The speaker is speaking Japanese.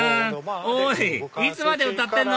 おいいつまで歌ってんの？